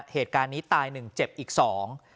เหตุการณ์นี้ตายหนึ่งเจ็บอีกสอง